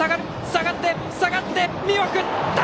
下がって、下がって、見送った！